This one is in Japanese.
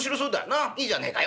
「いいじゃねえかい。」